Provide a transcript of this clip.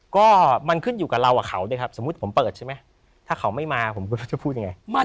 ก็มันขึ้นอยู่กับเรากับเขาด้วยครับสมมุติผมเปิดใช่ไหมถ้าเขาไม่มาผมจะพูดยังไง